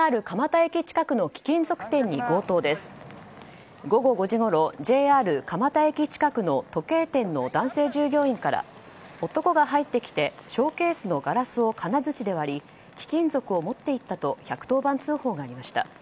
ＪＲ蒲田駅近くの時計店の男性従業員から男が入ってきてショーケースのガラスを金づちで割り貴金属を持って行ったと１１０番通報がありました。